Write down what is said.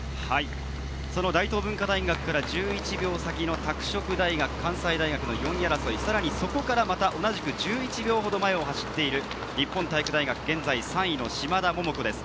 大東文化大学から１１秒先の拓殖大学、関西大学の４位争い、さらにそこからまた同じく１１秒ほど前を走っている日本体育大学、現在３位の嶋田桃子です。